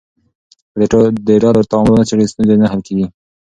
که د ډلو تعامل ونه څېړې، ستونزې نه حل کېږي.